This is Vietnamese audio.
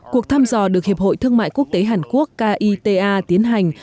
cuộc thăm dò được hiệp hội thương mại quốc tế hàn quốc kita tiến hành